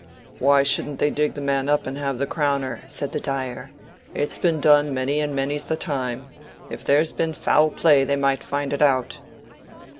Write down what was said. "Why shouldn't they dig the man up and have the Crowner?" said the dyer. "It's been done many and many's the time. If there's been foul play they might find it out."